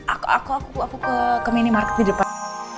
aku aku ke minimarket di depan